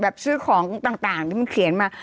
ซื้อของต่างที่มันเขียนมา